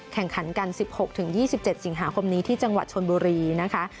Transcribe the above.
แข่งขันกัน๑๖๒๗สิงหาคมนี้ที่จังหวัดชนบุรีนะคะ